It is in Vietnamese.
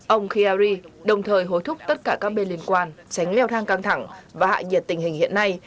ông khayyari đồng thời hối thúc tất cả các bên liên quan tránh leo thang căng thẳng và hạ nhiệt tình hình hiện nay